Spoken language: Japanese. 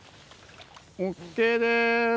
ＯＫです。